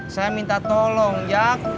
saya minta tolong jak